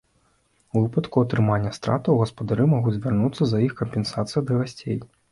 У выпадку атрымання стратаў, гаспадары могуць звярнуцца за іх кампенсацыяй да гасцей.